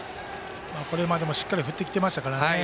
これまでもしっかり振ってきていましたからね。